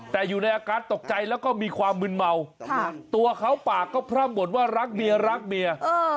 แต่อยู่ในอาการตกใจแล้วก็มีความมืนเมาตัวเขาปากก็พร่ำบ่นว่ารักเมียรักเมีย